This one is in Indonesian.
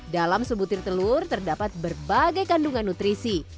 dalam sebutir telur terdapat berbagai kandungan nutrisi